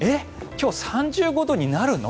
今日３５度になるの？